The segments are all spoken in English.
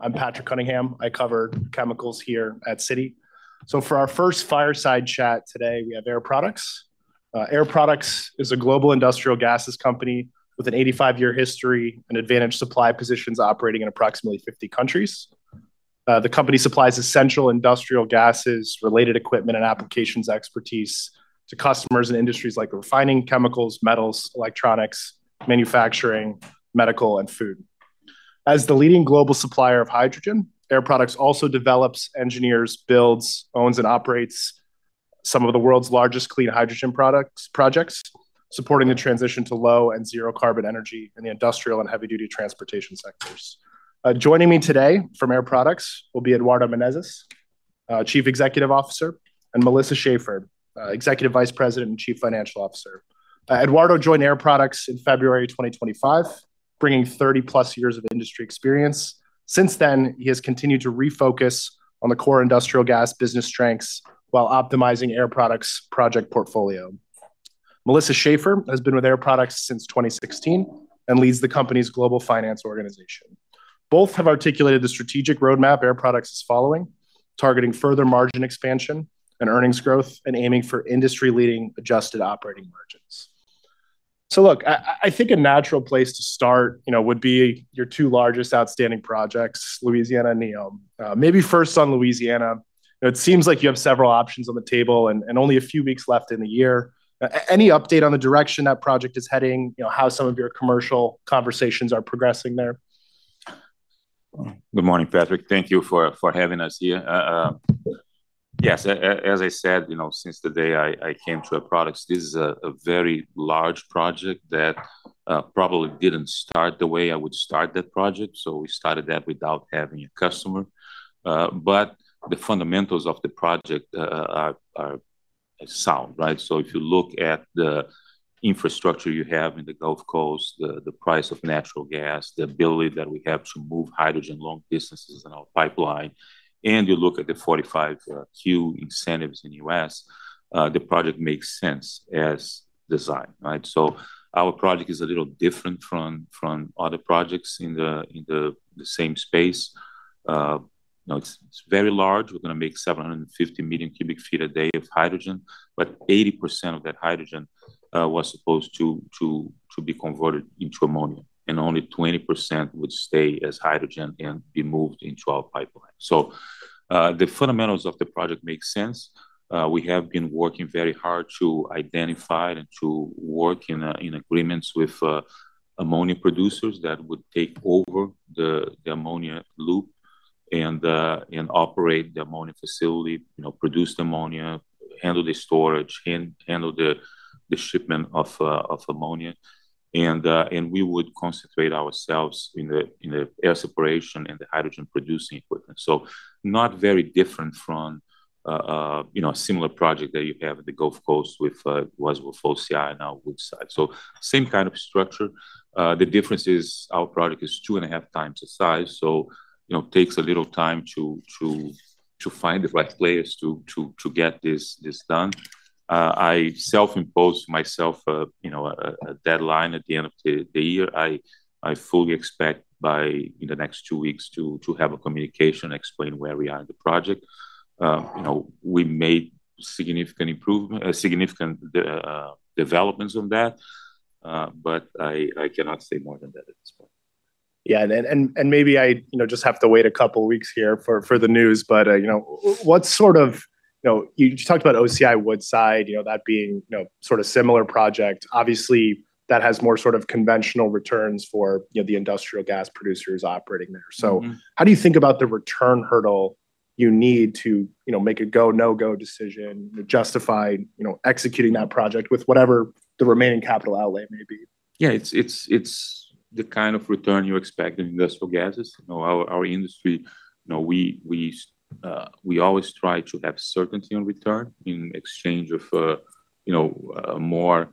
I'm Patrick Cunningham. I cover chemicals here at Citi. For our first fireside chat today, we have Air Products. Air Products is a global industrial gases company with an 85-year history and advanced supply positions operating in approximately 50 countries. The company supplies essential industrial gases, related equipment, and applications expertise to customers in industries like refining, chemicals, metals, electronics, manufacturing, medical, and food. As the leading global supplier of hydrogen, Air Products also develops, engineers, builds, owns, and operates some of the world's largest clean hydrogen projects, supporting the transition to low and zero-carbon energy in the industrial and heavy-duty transportation sectors. Joining me today from Air Products will be Eduardo Menezes, Chief Executive Officer, and Melissa Schaeffer, Executive Vice President and Chief Financial Officer. Eduardo joined Air Products in February 2025, bringing 30-plus years of industry experience. Since then, he has continued to refocus on the core industrial gas business strengths while optimizing Air Products' project portfolio. Melissa Schaeffer has been with Air Products since 2016 and leads the company's global finance organization. Both have articulated the strategic roadmap Air Products is following, targeting further margin expansion and earnings growth and aiming for industry-leading adjusted operating margins. I think a natural place to start would be your two largest outstanding projects, Louisiana and Neon. Maybe first on Louisiana. It seems like you have several options on the table and only a few weeks left in the year. Any update on the direction that project is heading, how some of your commercial conversations are progressing there? Good morning, Patrick. Thank you for having us here. Yes, as I said, since the day I came to Air Products, this is a very large project that probably did not start the way I would start that project. We started that without having a customer. The fundamentals of the project are sound, right? If you look at the infrastructure you have in the Gulf Coast, the price of natural gas, the ability that we have to move hydrogen long distances in our pipeline, and you look at the 45Q incentives in the U.S., the project makes sense as designed, right? Our project is a little different from other projects in the same space. It is very large. We're going to make 750 million cubic feet a day of hydrogen, but 80% of that hydrogen was supposed to be converted into ammonia, and only 20% would stay as hydrogen and be moved into our pipeline. The fundamentals of the project make sense. We have been working very hard to identify and to work in agreements with ammonia producers that would take over the ammonia loop and operate the ammonia facility, produce the ammonia, handle the storage, handle the shipment of ammonia. We would concentrate ourselves in the air separation and the hydrogen-producing equipment. Not very different from a similar project that you have in the Gulf Coast with OCI and our Woodside. Same kind of structure. The difference is our project is two and a half times the size, so it takes a little time to find the right players to get this done. I self-imposed myself a deadline at the end of the year. I fully expect by the next two weeks to have a communication explaining where we are in the project. We made significant developments on that, but I cannot say more than that at this point. Yeah, and maybe I just have to wait a couple of weeks here for the news. What sort of, you talked about OCI, Woodside, that being sort of a similar project. Obviously, that has more sort of conventional returns for the industrial gas producers operating there. How do you think about the return hurdle you need to make a go, no-go decision, justify executing that project with whatever the remaining capital outlay may be? Yeah, it's the kind of return you expect in industrial gases. Our industry, we always try to have certainty on return in exchange of a more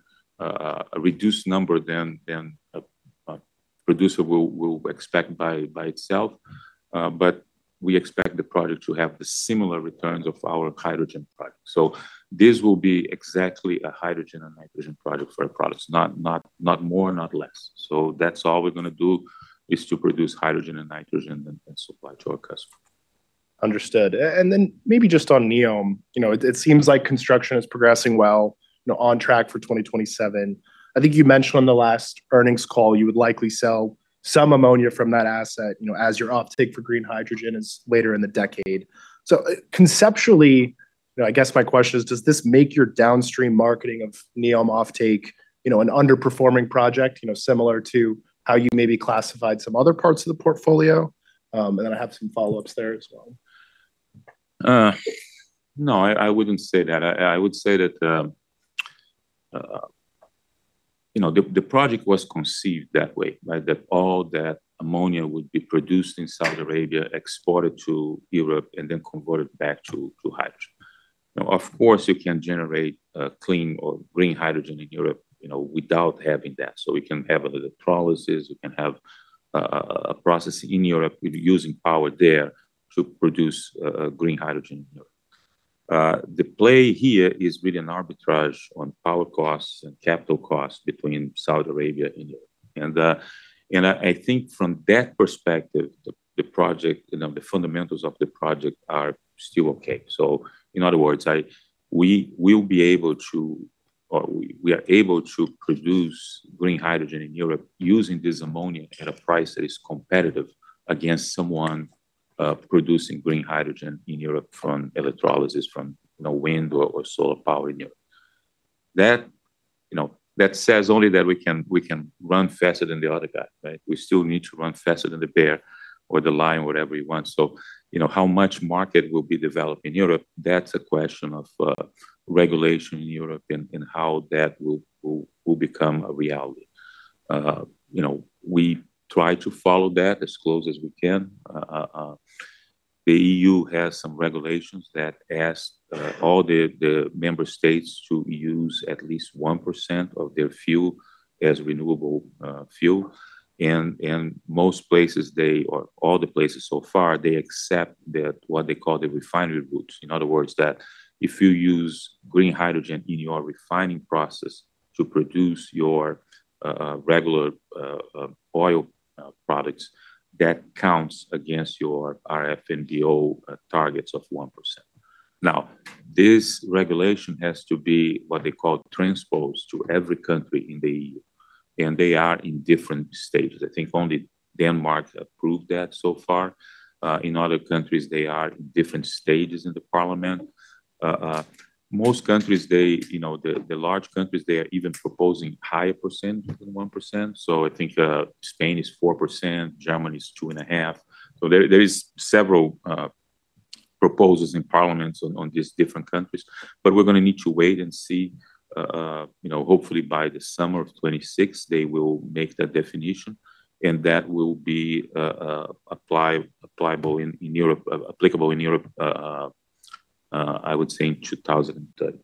reduced number than a producer will expect by itself. We expect the project to have the similar returns of our hydrogen project. This will be exactly a hydrogen and nitrogen project for Air Products, not more and not less. That's all we're going to do is to produce hydrogen and nitrogen and then supply to our customers. Understood. Maybe just on Neon, it seems like construction is progressing well, on track for 2027. I think you mentioned on the last earnings call you would likely sell some ammonia from that asset as your offtake for green hydrogen is later in the decade. Conceptually, I guess my question is, does this make your downstream marketing of Neon offtake an underperforming project, similar to how you maybe classified some other parts of the portfolio? I have some follow-ups there as well. No, I wouldn't say that. I would say that the project was conceived that way, that all that ammonia would be produced in Saudi Arabia, exported to Europe, and then converted back to hydrogen. Of course, you can generate clean or green hydrogen in Europe without having that. You can have electrolysis. You can have a process in Europe using power there to produce green hydrogen in Europe. The play here is really an arbitrage on power costs and capital costs between Saudi Arabia and Europe. I think from that perspective, the project, the fundamentals of the project are still okay. In other words, we will be able to, or we are able to produce green hydrogen in Europe using this ammonia at a price that is competitive against someone producing green hydrogen in Europe from electrolysis, from wind or solar power in Europe. That says only that we can run faster than the other guy, right? We still need to run faster than the bear or the lion, whatever you want. How much market will be developed in Europe, that's a question of regulation in Europe and how that will become a reality. We try to follow that as close as we can. The EU has some regulations that ask all the member states to use at least 1% of their fuel as renewable fuel. Most places, or all the places so far, accept what they call the refinery route. In other words, if you use green hydrogen in your refining process to produce your regular oil products, that counts against your RFNDO targets of 1%. This regulation has to be what they call transposed to every country in the EU. They are in different stages. I think only Denmark approved that so far. In other countries, they are in different stages in the parliament. Most countries, the large countries, they are even proposing higher percentage than 1%. I think Spain is 4%, Germany is two and a half. There are several proposals in parliaments on these different countries. We're going to need to wait and see. Hopefully, by the summer of 2026, they will make that definition, and that will be applicable in Europe, I would say, in 2030.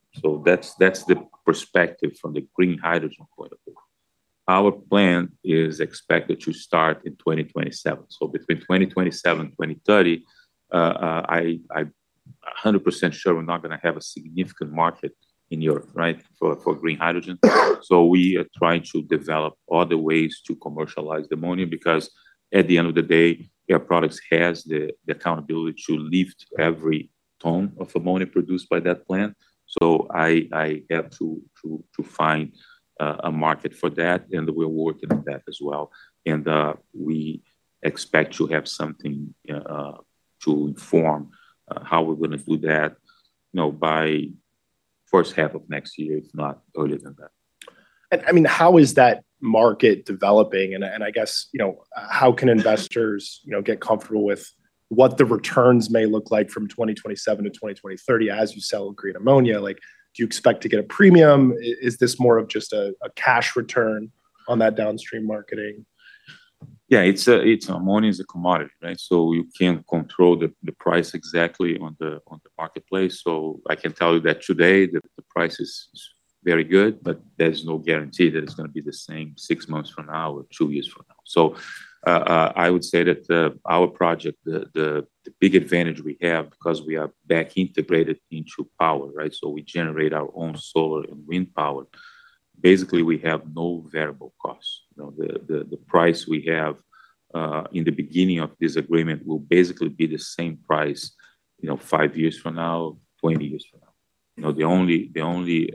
That's the perspective from the green hydrogen point of view. Our plan is expected to start in 2027. Between 2027 and 2030, I'm 100% sure we're not going to have a significant market in Europe, right, for green hydrogen. We are trying to develop other ways to commercialize ammonia because at the end of the day, Air Products has the accountability to lift every ton of ammonia produced by that plant. I have to find a market for that, and we're working on that as well. We expect to have something to inform how we're going to do that by the first half of next year, if not earlier than that. I mean, how is that market developing? I guess how can investors get comfortable with what the returns may look like from 2027 to 2030 as you sell green ammonia? Do you expect to get a premium? Is this more of just a cash return on that downstream marketing? Yeah, ammonia is a commodity, right? You can't control the price exactly on the marketplace. I can tell you that today, the price is very good, but there's no guarantee that it's going to be the same six months from now or two years from now. I would say that our project, the big advantage we have because we are back integrated into power, right? We generate our own solar and wind power. Basically, we have no variable costs. The price we have in the beginning of this agreement will basically be the same price five years from now, 20 years from now. The only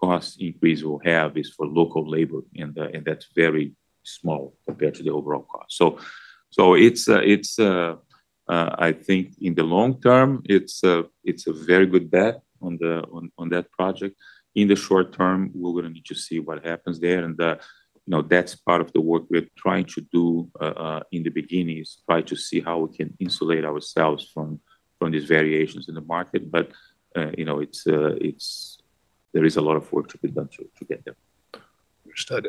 cost increase we'll have is for local labor, and that's very small compared to the overall cost. I think in the long term, it's a very good bet on that project. In the short term, we're going to need to see what happens there. That is part of the work we're trying to do in the beginning, is try to see how we can insulate ourselves from these variations in the market. There is a lot of work to be done to get there. Understood.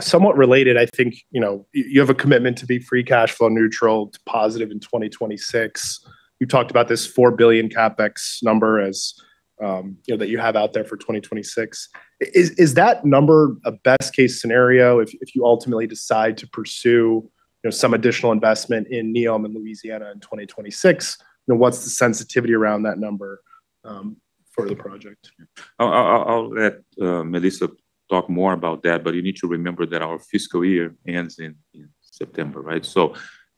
Somewhat related, I think you have a commitment to be free cash flow neutral to positive in 2026. You talked about this $4 billion CapEx number that you have out there for 2026. Is that number a best-case scenario if you ultimately decide to pursue some additional investment in Neon and Louisiana in 2026? What's the sensitivity around that number for the project? I'll let Melissa talk more about that, but you need to remember that our fiscal year ends in September, right?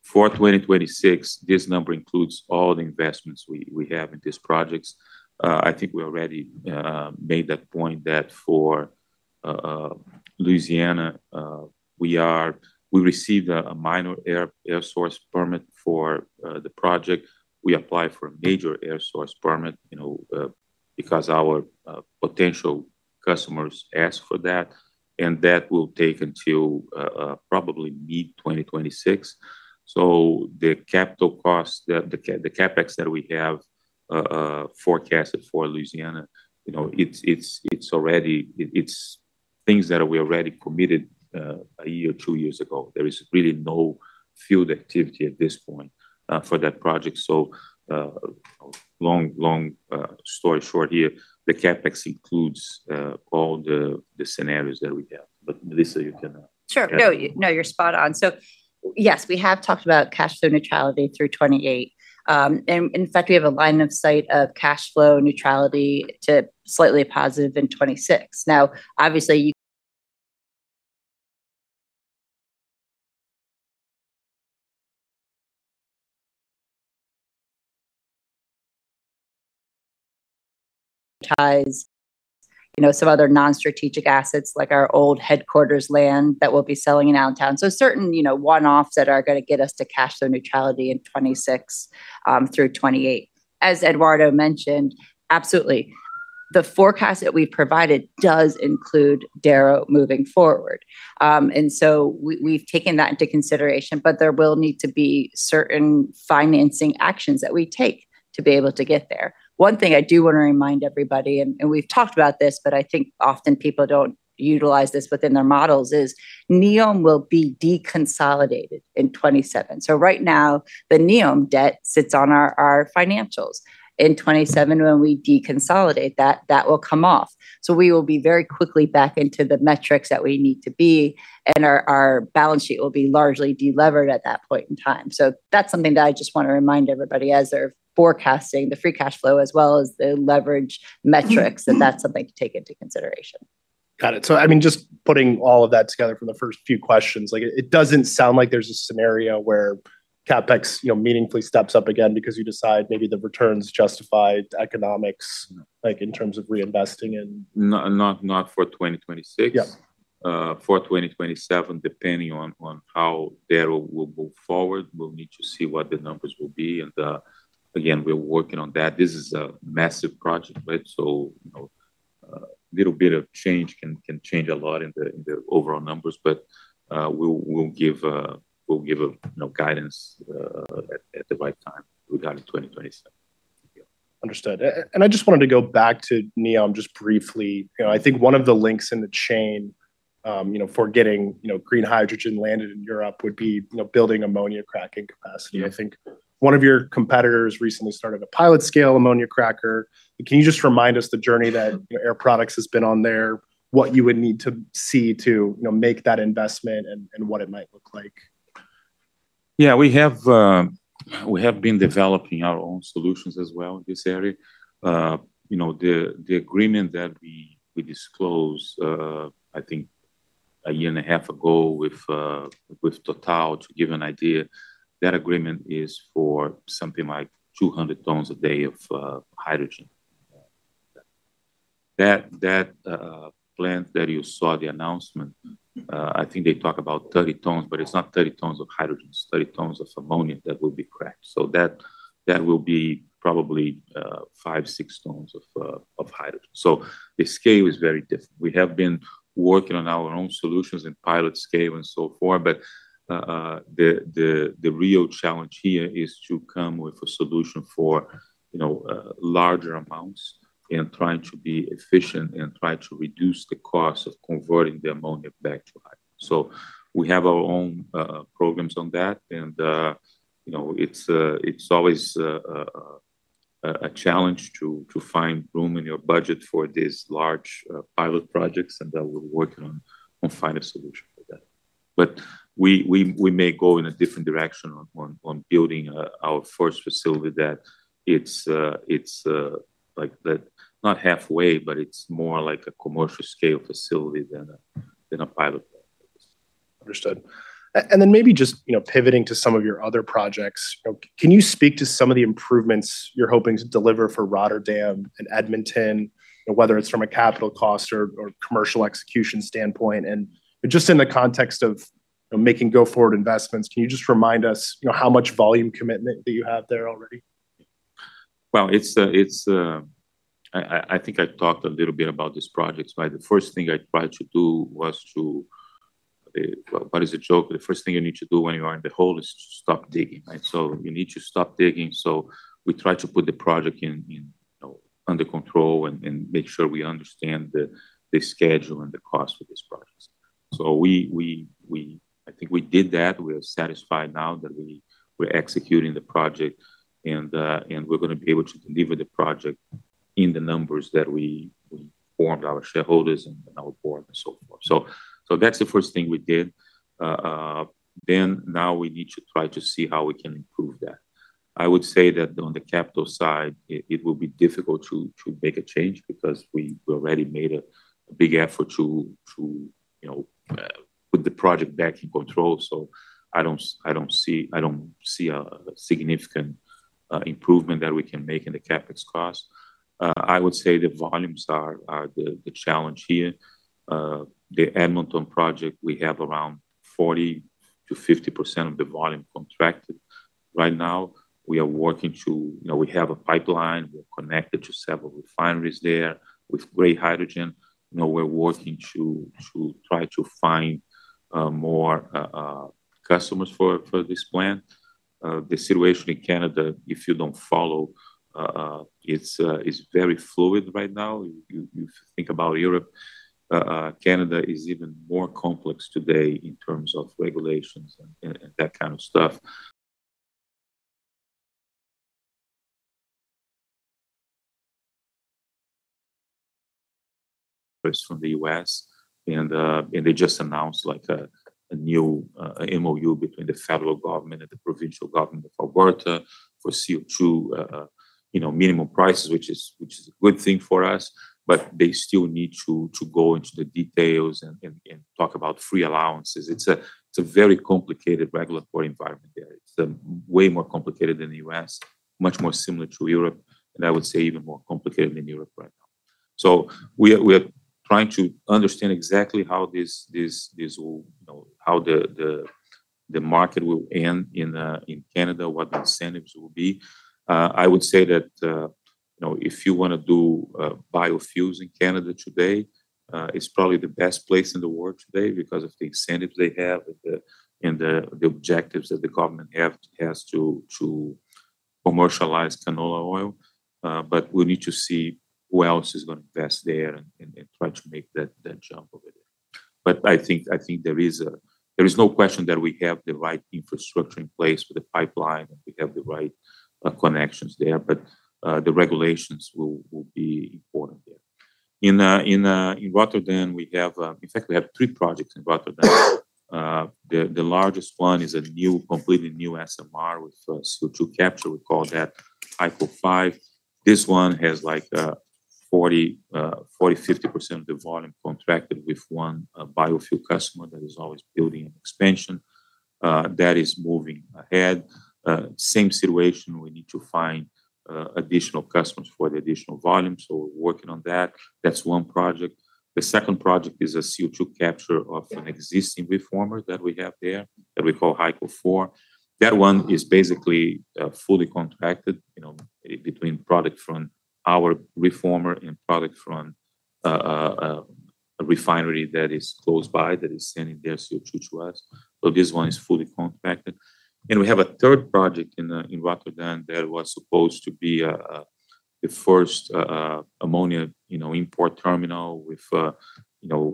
For 2026, this number includes all the investments we have in these projects. I think we already made that point that for Louisiana, we received a minor air source permit for the project. We applied for a major air source permit because our potential customers asked for that, and that will take until probably mid-2026. The capital cost, the CapEx that we have forecasted for Louisiana, it's things that we already committed a year or two years ago. There is really no field activity at this point for that project. Long story short here, the CapEx includes all the scenarios that we have. But Melissa, you can... Sure. No, you're spot on. Yes, we have talked about cash flow neutrality through 2028. In fact, we have a line of sight of cash flow neutrality to slightly positive in 2026. Obviously, ties some other non-strategic assets like our old headquarters land that we'll be selling in downtown. Certain one-offs are going to get us to cash flow neutrality in 2026 through 2028. As Eduardo mentioned, absolutely. The forecast that we provided does include Darrow moving forward. We have taken that into consideration, but there will need to be certain financing actions that we take to be able to get there. One thing I do want to remind everybody, and we've talked about this, but I think often people do not utilize this within their models, is Neon will be deconsolidated in 2027. Right now, the Neon debt sits on our financials. In 2027, when we deconsolidate that, that will come off. We will be very quickly back into the metrics that we need to be, and our balance sheet will be largely delivered at that point in time. That is something that I just want to remind everybody as they are forecasting the free cash flow as well as the leverage metrics, that that is something to take into consideration. Got it. I mean, just putting all of that together from the first few questions, it does not sound like there is a scenario where CapEx meaningfully steps up again because you decide maybe the return is justified economics in terms of reinvesting in... Not for 2026. For 2027, depending on how Darrow will move forward, we need to see what the numbers will be. Again, we're working on that. This is a massive project, right? A little bit of change can change a lot in the overall numbers, but we'll give guidance at the right time regarding 2027. Understood. I just wanted to go back to Neon just briefly. I think one of the links in the chain for getting green hydrogen landed in Europe would be building ammonia cracking capacity. I think one of your competitors recently started a pilot scale ammonia cracker. Can you just remind us the journey that Air Products has been on there, what you would need to see to make that investment, and what it might look like? Yeah, we have been developing our own solutions as well in this area. The agreement that we disclosed, I think a year and a half ago with Total to give an idea, that agreement is for something like 200 tons a day of hydrogen. That plant that you saw the announcement, I think they talk about 30 tons, but it's not 30 tons of hydrogen. It's 30 tons of ammonia that will be cracked. So that will be probably five, six tons of hydrogen. The scale is very different. We have been working on our own solutions in pilot scale and so forth, but the real challenge here is to come with a solution for larger amounts and trying to be efficient and try to reduce the cost of converting the ammonia back to hydrogen. We have our own programs on that, and it's always a challenge to find room in your budget for these large pilot projects, and we're working on finding a solution for that. We may go in a different direction on building our first facility that it's not halfway, but it's more like a commercial scale facility than a pilot project. Understood. Maybe just pivoting to some of your other projects, can you speak to some of the improvements you're hoping to deliver for Rotterdam and Edmonton, whether it's from a capital cost or commercial execution standpoint? Just in the context of making go forward investments, can you remind us how much volume commitment that you have there already? I think I talked a little bit about these projects, right? The first thing I tried to do was to, what is the joke? The first thing you need to do when you are in the hole is to stop digging, right? You need to stop digging. We try to put the project under control and make sure we understand the schedule and the cost of these projects. I think we did that. We are satisfied now that we're executing the project, and we're going to be able to deliver the project in the numbers that we informed our shareholders and our board and so forth. That is the first thing we did. Now we need to try to see how we can improve that. I would say that on the capital side, it will be difficult to make a change because we already made a big effort to put the project back in control. I don't see a significant improvement that we can make in the CapEx cost. I would say the volumes are the challenge here. The Edmonton project, we have around 40-50% of the volume contracted. Right now, we are working to, we have a pipeline. We're connected to several refineries there with gray hydrogen. We're working to try to find more customers for this plant. The situation in Canada, if you don't follow, it's very fluid right now. If you think about Europe, Canada is even more complex today in terms of regulations and that kind of stuff. From the U.S., and they just announced a new MoU between the federal government and the provincial government of Alberta for CO2 minimum prices, which is a good thing for us, but they still need to go into the details and talk about free allowances. It is a very complicated regulatory environment there. It is way more complicated than the U.S., much more similar to Europe, and I would say even more complicated than Europe right now. We are trying to understand exactly how the market will end in Canada, what the incentives will be. I would say that if you want to do biofuels in Canada today, it is probably the best place in the world today because of the incentives they have and the objectives that the government has to commercialize canola oil. We need to see who else is going to invest there and try to make that jump over there. I think there is no question that we have the right infrastructure in place with the pipeline and we have the right connections there, but the regulations will be important there. In Rotterdam, we have, in fact, we have three projects in Rotterdam. The largest one is a completely new SMR with CO2 capture. We call that ICO 5. This one has 40-50% of the volume contracted with one biofuel customer that is always building an expansion that is moving ahead. Same situation, we need to find additional customers for the additional volume. We are working on that. That is one project. The second project is a CO2 capture of an existing reformer that we have there that we call ICO 4. That one is basically fully contracted between product from our reformer and product from a refinery that is close by that is sending their CO2 to us. This one is fully contracted. We have a third project in Rotterdam that was supposed to be the first ammonia import terminal with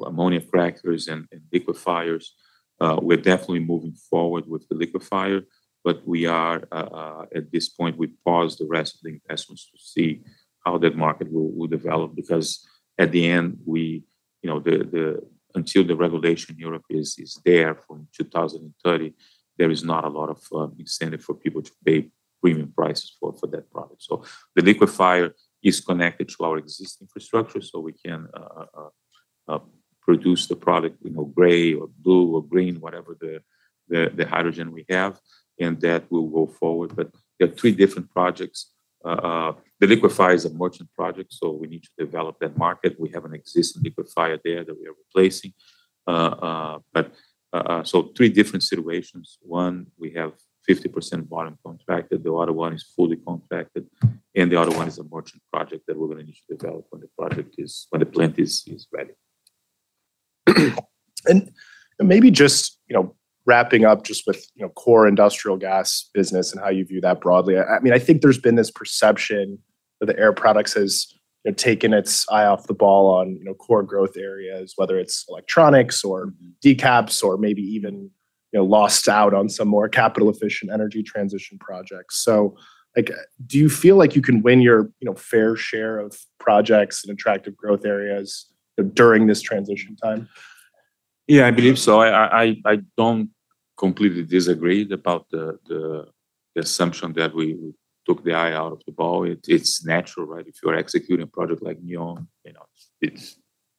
ammonia crackers and liquefiers. We are definitely moving forward with the liquefier, but at this point, we paused the rest of the investments to see how that market will develop because at the end, until the regulation in Europe is there from 2030, there is not a lot of incentive for people to pay premium prices for that product. The liquefier is connected to our existing infrastructure so we can produce the product gray or blue or green, whatever the hydrogen we have, and that will go forward. There are three different projects. The liquefier is a merchant project, so we need to develop that market. We have an existing liquefier there that we are replacing. Three different situations. One, we have 50% volume contracted. The other one is fully contracted, and the other one is a merchant project that we are going to need to develop when the project is, when the plant is ready. Maybe just wrapping up just with core industrial gas business and how you view that broadly. I mean, I think there's been this perception that Air Products has taken its eye off the ball on core growth areas, whether it's electronics or decaps or maybe even lost out on some more capital-efficient energy transition projects. Do you feel like you can win your fair share of projects and attractive growth areas during this transition time? Yeah, I believe so. I do not completely disagree about the assumption that we took the eye out of the ball. It is natural, right? If you are executing a project like Neon, it is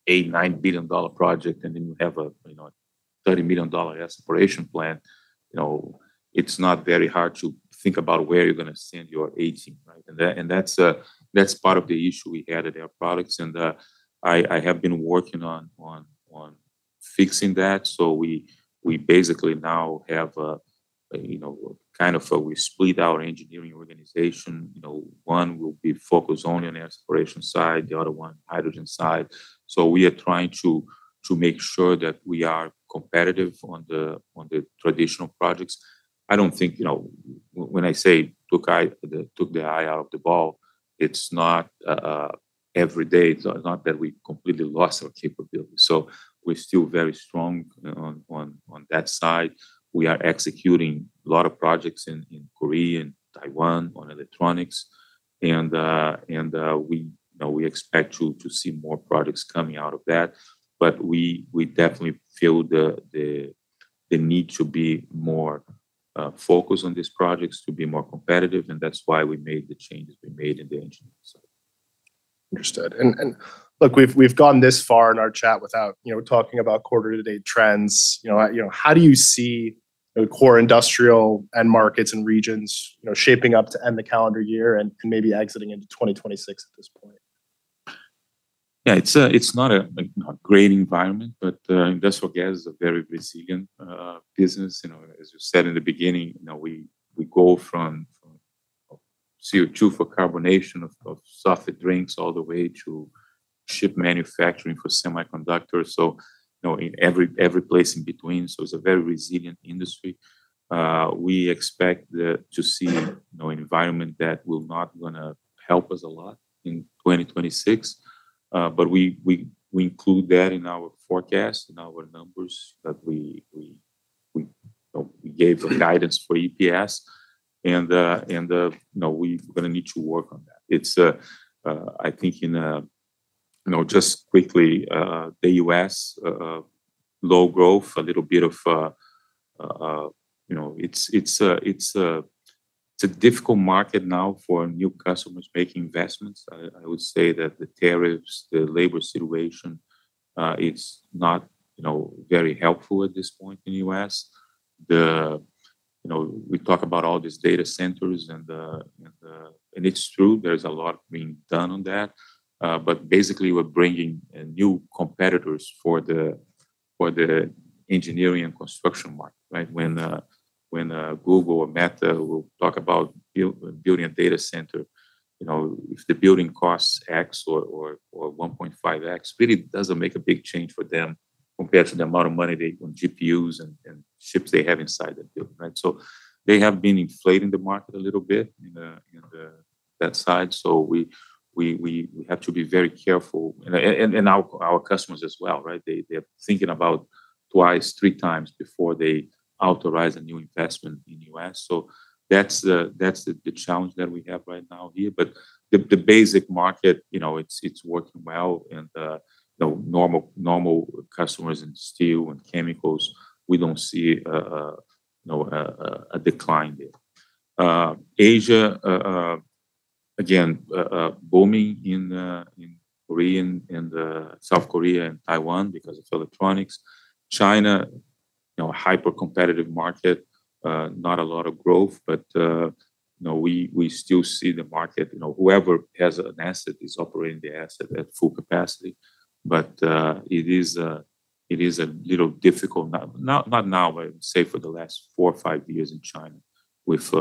an $8 billion, $9 billion project, and then you have a $30 million aspiration plant. It is not very hard to think about where you are going to send your agent, right? That is part of the issue we had at Air Products. I have been working on fixing that. We basically now have kind of a, we split our engineering organization. One will be focused only on the aspiration side, the other one, hydrogen side. We are trying to make sure that we are competitive on the traditional projects. I do not think when I say took the eye out of the ball, it is not every day. It is not that we completely lost our capability. We are still very strong on that side. We are executing a lot of projects in Korea and Taiwan on electronics. We expect to see more projects coming out of that, but we definitely feel the need to be more focused on these projects to be more competitive. That is why we made the changes we made in the engineering side. Understood. Look, we've gone this far in our chat without talking about quarter-to-date trends. How do you see core industrial and markets and regions shaping up to end the calendar year and maybe exiting into 2026 at this point? Yeah, it's not a great environment, but industrial gas is a very resilient business. As you said in the beginning, we go from CO2 for carbonation of soft drinks all the way to chip manufacturing for semiconductors. Every place in between. It's a very resilient industry. We expect to see an environment that will not going to help us a lot in 2026, but we include that in our forecast, in our numbers that we gave guidance for EPS. We're going to need to work on that. I think just quickly, the U.S., low growth, a little bit of, it's a difficult market now for new customers making investments. I would say that the tariffs, the labor situation, it's not very helpful at this point in the U.S. We talk about all these data centers, and it's true. There's a lot being done on that, but basically we're bringing new competitors for the engineering and construction market, right? When Google or Meta will talk about building a data center, if the building costs X or 1.5X, really doesn't make a big change for them compared to the amount of money on GPUs and chips they have inside the building, right? They have been inflating the market a little bit in that side. We have to be very careful. Our customers as well, right? They're thinking about twice, three times before they authorize a new investment in the U.S. That's the challenge that we have right now here. The basic market, it's working well. Normal customers in steel and chemicals, we don't see a decline there. Asia, again, booming in Korea and Taiwan because of electronics. China, hyper-competitive market, not a lot of growth, but we still see the market. Whoever has an asset is operating the asset at full capacity. It is a little difficult, not now, but say for the last four or five years in China with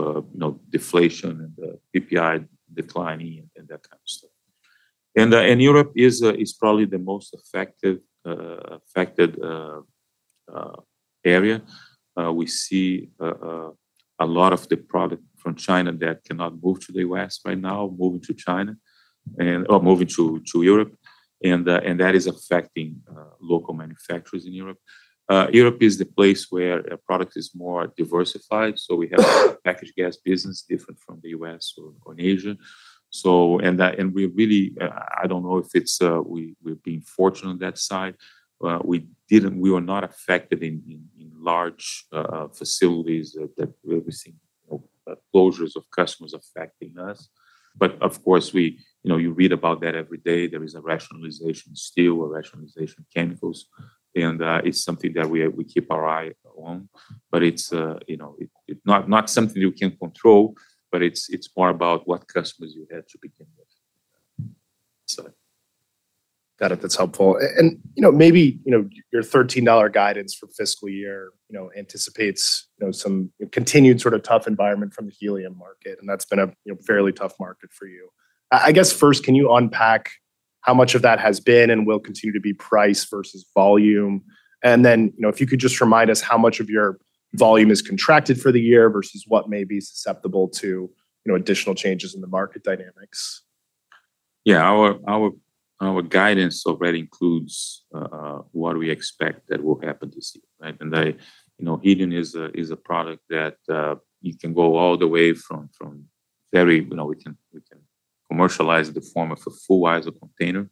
deflation and the PPI declining and that kind of stuff. Europe is probably the most affected area. We see a lot of the product from China that cannot move to the U.S. right now, moving to China or moving to Europe. That is affecting local manufacturers in Europe. Europe is the place where product is more diversified. We have a packaged gas business different from the U.S. or Asia. I do not know if we are being fortunate on that side. We were not affected in large facilities that we are seeing closures of customers affecting us. Of course, you read about that every day. There is a rationalization steel, a rationalization chemicals, and it's something that we keep our eye on. It's not something you can control, but it's more about what customers you had to begin with. Got it. That's helpful. Maybe your $13 guidance for fiscal year anticipates some continued sort of tough environment from the helium market, and that's been a fairly tough market for you. I guess first, can you unpack how much of that has been and will continue to be price versus volume? If you could just remind us how much of your volume is contracted for the year versus what may be susceptible to additional changes in the market dynamics. Yeah, our guidance already includes what we expect that will happen this year, right? And helium is a product that you can go all the way from very, we can commercialize the form of a full wiser container,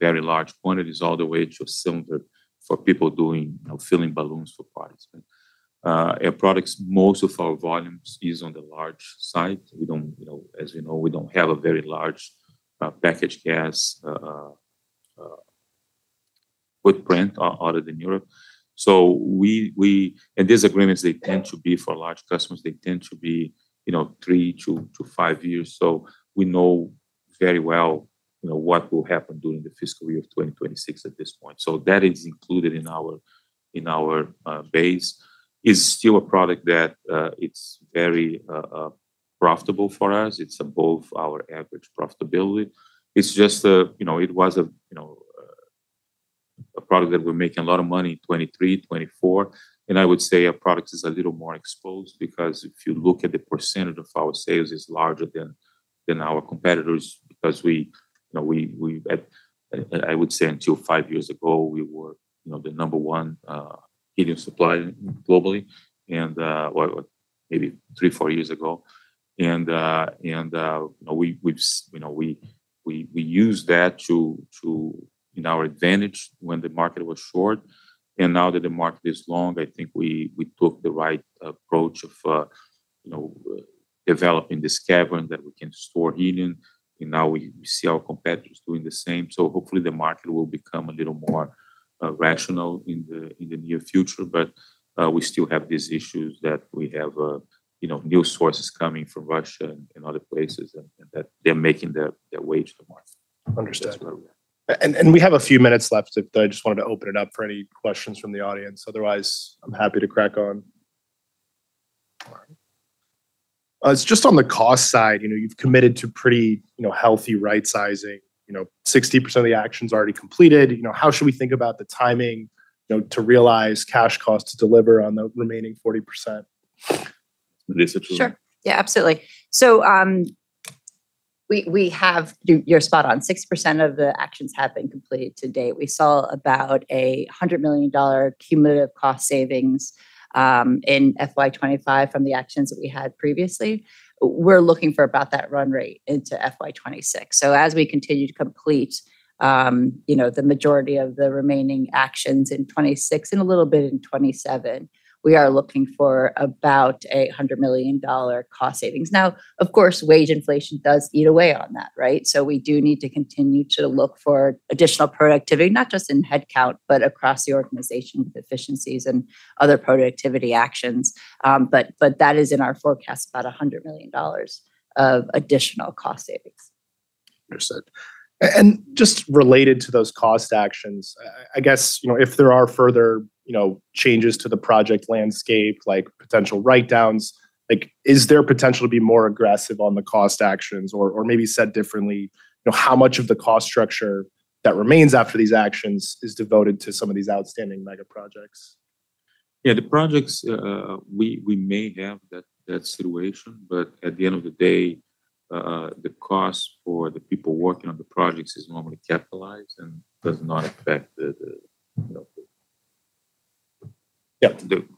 very large quantities all the way to cylinder for people doing filling balloons for products. Air Products, most of our volumes is on the large side. As we know, we do not have a very large packaged gas footprint other than Europe. In these agreements, they tend to be for large customers. They tend to be three to five years. We know very well what will happen during the fiscal year of 2026 at this point. That is included in our base. It is still a product that is very profitable for us. It is above our average profitability. It's just it was a product that we're making a lot of money in 2023, 2024. I would say our product is a little more exposed because if you look at the percentage of our sales, it's larger than our competitors because we, I would say until five years ago, we were the number one helium supplier globally and maybe three, four years ago. We use that to our advantage when the market was short. Now that the market is long, I think we took the right approach of developing this cavern that we can store helium. Now we see our competitors doing the same. Hopefully the market will become a little more rational in the near future, but we still have these issues that we have new sources coming from Russia and other places and that they're making their way to the market. Understood. We have a few minutes left, but I just wanted to open it up for any questions from the audience. Otherwise, I'm happy to crack on. All right. Just on the cost side, you've committed to pretty healthy right-sizing. 60% of the action is already completed. How should we think about the timing to realize cash costs to deliver on the remaining 40%? Sure. Yeah, absolutely. You are spot on. 6% of the actions have been completed to date. We saw about a $100 million cumulative cost savings in FY2025 from the actions that we had previously. We are looking for about that run rate into FY2026. As we continue to complete the majority of the remaining actions in 2026 and a little bit in 2027, we are looking for about a $100 million cost savings. Now, of course, wage inflation does eat away on that, right? We do need to continue to look for additional productivity, not just in headcount, but across the organization with efficiencies and other productivity actions. That is in our forecast, about $100 million of additional cost savings. Understood. Just related to those cost actions, I guess if there are further changes to the project landscape, like potential write-downs, is there potential to be more aggressive on the cost actions or maybe said differently, how much of the cost structure that remains after these actions is devoted to some of these outstanding mega projects? Yeah, the projects we may have that situation, but at the end of the day, the cost for the people working on the projects is normally capitalized and does not affect the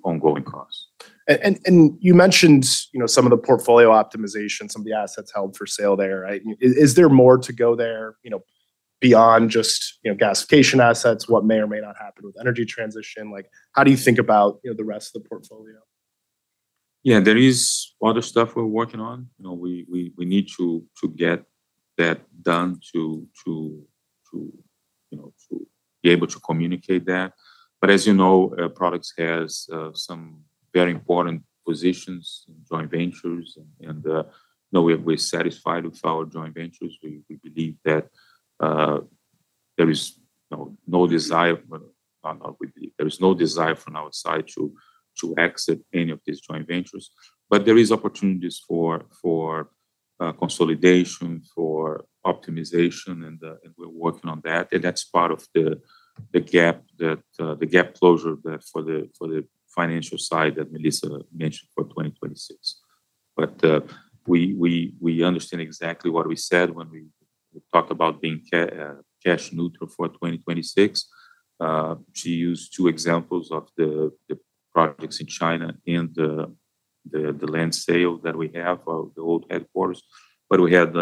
ongoing costs. You mentioned some of the portfolio optimization, some of the assets held for sale there, right? Is there more to go there beyond just gasification assets? What may or may not happen with energy transition? How do you think about the rest of the portfolio? Yeah, there is other stuff we're working on. We need to get that done to be able to communicate that. As you know, Air Products has some very important positions in joint ventures. We're satisfied with our joint ventures. We believe that there is no desire, not we believe, there is no desire from our side to exit any of these joint ventures. There are opportunities for consolidation, for optimization, and we're working on that. That's part of the gap closure for the financial side that Melissa mentioned for 2026. We understand exactly what we said when we talked about being cash neutral for 2026. She used two examples of the projects in China and the land sale that we have of the old headquarters. We had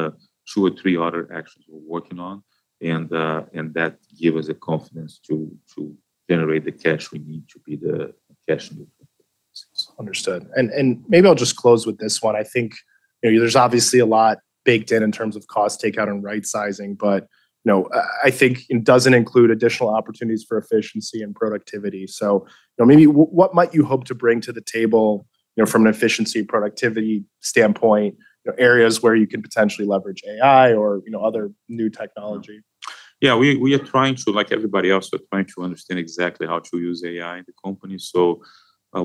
two or three other actions we're working on. That gave us the confidence to generate the cash we need to be cash neutral. Understood. Maybe I'll just close with this one. I think there's obviously a lot baked in in terms of cost takeout and right-sizing, but I think it doesn't include additional opportunities for efficiency and productivity. Maybe what might you hope to bring to the table from an efficiency productivity standpoint, areas where you can potentially leverage AI or other new technology? Yeah, we are trying to, like everybody else, we're trying to understand exactly how to use AI in the company.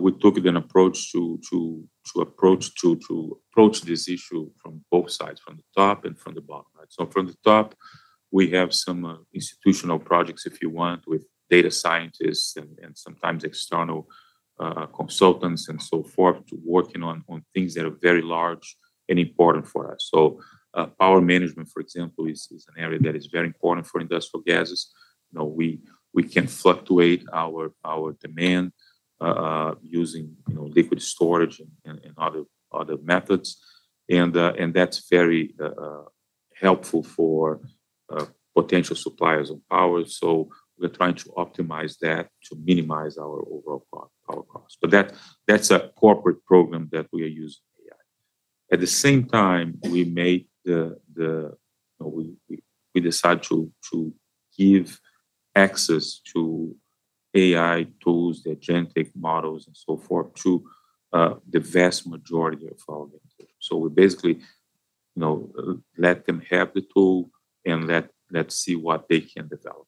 We took an approach to approach this issue from both sides, from the top and from the bottom, right? From the top, we have some institutional projects, if you want, with data scientists and sometimes external consultants and so forth working on things that are very large and important for us. Power management, for example, is an area that is very important for industrial gases. We can fluctuate our demand using liquid storage and other methods. That's very helpful for potential suppliers of power. We're trying to optimize that to minimize our overall power cost. That's a corporate program that we are using AI. At the same time, we decide to give access to AI tools, the genetic models, and so forth to the vast majority of our vendors. We basically let them have the tool and let's see what they can develop.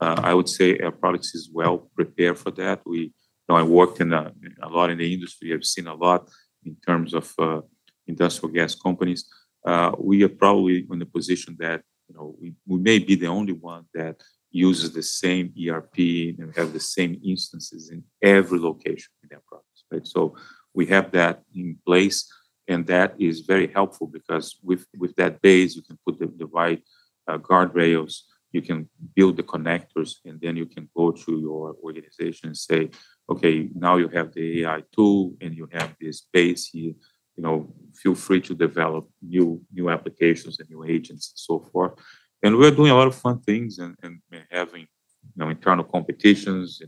I would say Air Products is well prepared for that. I worked a lot in the industry. I've seen a lot in terms of industrial gas companies. We are probably in a position that we may be the only one that uses the same ERP and have the same instances in every location in Air Products, right? We have that in place. That is very helpful because with that base, you can put the right guardrails, you can build the connectors, and then you can go to your organization and say, "Okay, now you have the AI tool and you have this base here. Feel free to develop new applications and new agents and so forth. We are doing a lot of fun things and having internal competitions,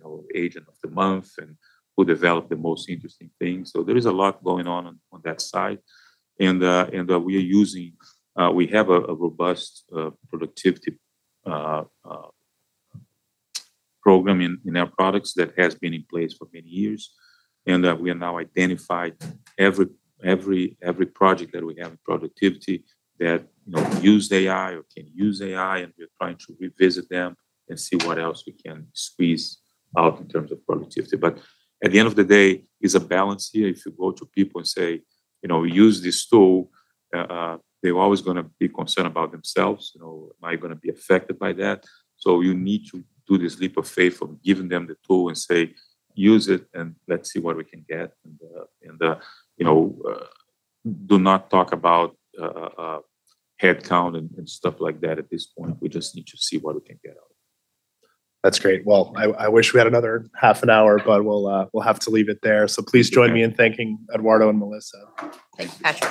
Agent of the Month, and who developed the most interesting things. There is a lot going on on that side. We have a robust productivity program in Air Products that has been in place for many years. We have now identified every project that we have in productivity that used AI or can use AI, and we are trying to revisit them and see what else we can squeeze out in terms of productivity. At the end of the day, it is a balance here. If you go to people and say, "Use this tool," they are always going to be concerned about themselves. Am I going to be affected by that? You need to do this leap of faith of giving them the tool and say, "Use it and let's see what we can get." Do not talk about headcount and stuff like that at this point. We just need to see what we can get out of it. That's great. I wish we had another half an hour, but we'll have to leave it there. Please join me in thanking Eduardo and Melissa. Thank you.